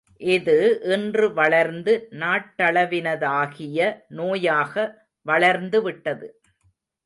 இது இன்று வளர்ந்து நாட்டளவினதாகிய நோயாக வளர்ந்துவிட்டது.